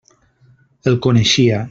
El coneixia.